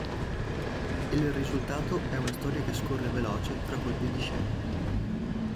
Il risultato è una storia che scorre veloce tra colpi di scena.